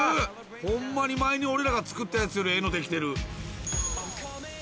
ほんまに前に俺らが作ったやつよりええの出来てる。